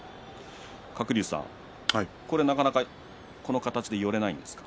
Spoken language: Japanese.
鶴竜さん、これはなかなかこの形で寄れないんですか。